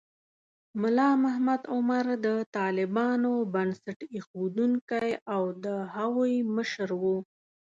ملا محمد عمر د طالبانو بنسټ ایښودونکی و او د هغوی مشر و.